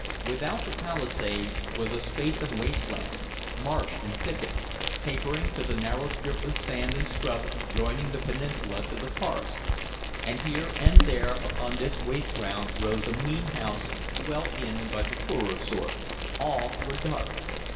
Without the palisade was a space of waste land, marsh and thicket, tapering to the narrow strip of sand and scrub joining the peninsula to the forest, and here and there upon this waste ground rose a mean house, dwelt in by the poorer sort. All were dark.